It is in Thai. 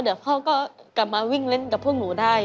เดี๋ยวพ่อก็กลับมาวิ่งเล่นกับพวกหนูได้